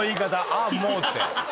「あっもう」って。